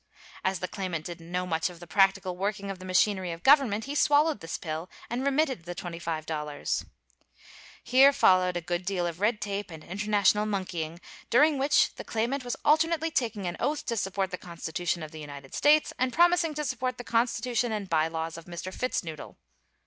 As the claimant didn't know much of the practical working of the machinery of government, he swallowed this pill and remitted the $25. Here followed a good deal of red tape and international monkeying during which the claimant was alternately taking an oath to support the constitution of the United States, and promising to support the constitution and by laws of Mr. Fitznoodle.